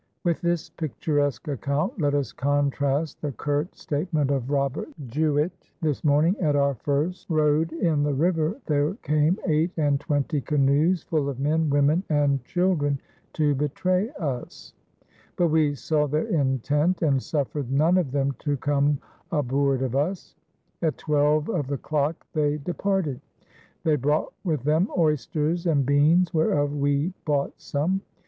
With this picturesque account let us contrast the curt statement of Robert Juet: "This morning at our first rode in the River there came eight and twenty canoes full of men, women and children to betray us; but we saw their intent and suffered none of them to come aboord of us. At twelve of the clocke they departed. They brought with them oysters and beanes whereof we bought some."